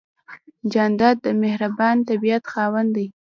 جانداد د مهربان طبیعت خاوند دی.